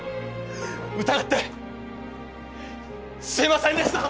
疑ってすいませんでした！